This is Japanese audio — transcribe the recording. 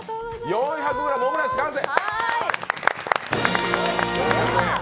４００ｇのオムライス完成！